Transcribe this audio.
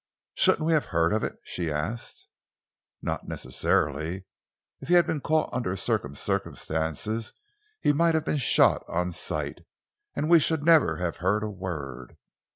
"Shouldn't we have heard of it?" she asked. "Not necessarily. If he'd been caught under certain circumstances, he might have been shot on sight and we should never have heard a word.